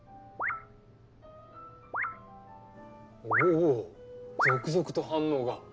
おお続々と反応が。